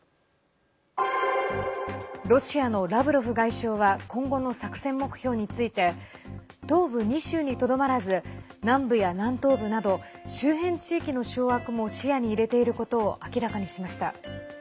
ロシアのラブロフ外相は今後の作戦目標について東部２州にとどまらず南部や南東部など周辺地域の掌握も視野に入れていることを明らかにしました。